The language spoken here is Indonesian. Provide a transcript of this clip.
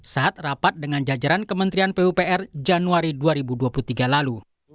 saat rapat dengan jajaran kementerian pupr januari dua ribu dua puluh tiga lalu